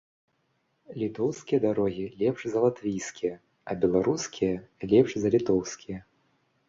Літоўскія дарогі лепш за латвійскія, а беларускія лепш за літоўскія.